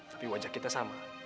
tapi wajah kita sama